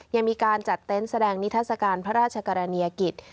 ยังมีการจัดเต็นต์แสดงนิทัศกาลพระราชกรณียกิจ